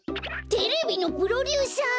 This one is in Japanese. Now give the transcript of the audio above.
テレビのプロデューサー？